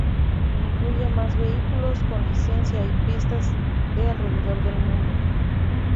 Incluye más vehículos con licencia y pistas de alrededor del mundo.